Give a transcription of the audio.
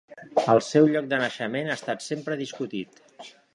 El seu lloc de naixement ha estat sempre discutit.